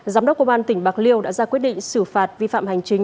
giám đốc công an tỉnh bạc liêu đã ra quyết định xử phạt vi phạm hành chính